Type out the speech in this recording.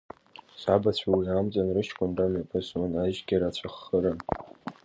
Сабацәа уи амҵан рыҷкәынра мҩаԥысуан, ажьгьы рацәаххыран…